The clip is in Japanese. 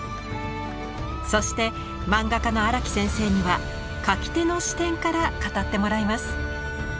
そして漫画家の荒木先生には描き手の視点から語ってもらいます。